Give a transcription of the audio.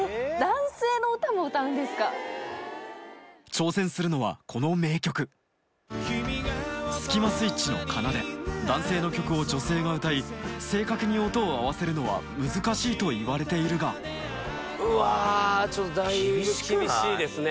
挑戦するのはこの名曲男性の曲を女性が歌い正確に音を合わせるのは難しいといわれているがうわだいぶ厳しいですね。